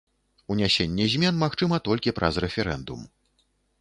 Унясенне змен магчыма толькі праз рэферэндум.